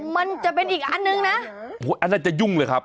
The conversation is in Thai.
มันจะเป็นอีกอันนึงนะอันนั้นจะยุ่งเลยครับ